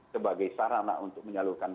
sebagai sarana untuk menyalurkan